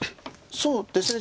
そうですね